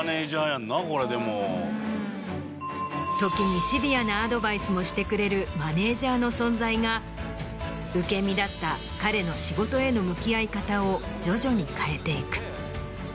時にシビアなアドバイスもしてくれるマネージャーの存在が受け身だった彼の仕事への向き合い方を徐々に変えていく。